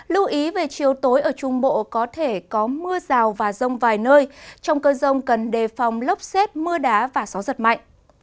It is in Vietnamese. lưu ý về chiều tối ở trung bộ có thể có mưa rào và rông vài nơi trong cơn rông cần đề phòng lốc xét mưa đá và gió giật mạnh